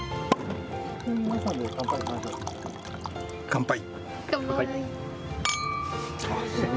乾杯。